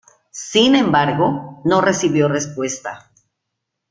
Sin embargo, no recibió respuesta.